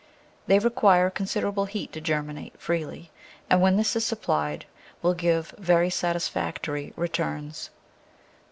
They require considerable heat to germinate freely, and when this is supplied will give very satis factory returns.